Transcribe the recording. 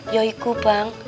ya itu bang